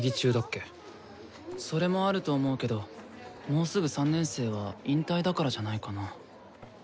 それもあると思うけどもうすぐ３年生は引退だからじゃないかな？